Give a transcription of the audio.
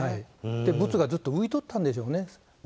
で、ぶつがずっとういとったんでしょうね。